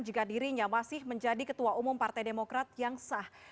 jika dirinya masih menjadi ketua umum partai demokrat yang sah